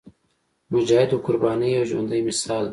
مجاهد د قربانۍ یو ژوندی مثال دی.